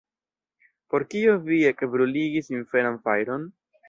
Por kio vi ekbruligis inferan fajron?